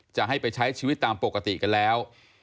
จะให้ไปใช้ชีวิตตามปกติกันแล้ว